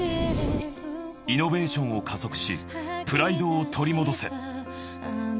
イノベーションを加速しプライドを取り戻せ。